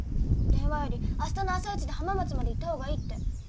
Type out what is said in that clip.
電話より明日の朝イチで浜松まで行ったほうがいいって。